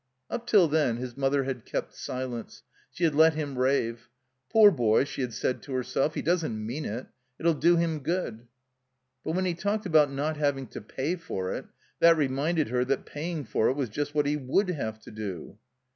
Up till then his mother had kept silence. She had let him rave. "Poor boy," she had said to her self, "he doesn't mean it. It 'U do him good." But when he talked about not having to pay for it, that reminded her that paying for it was just what he would have to do.